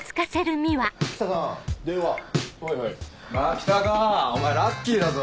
牧高お前ラッキーだぞ。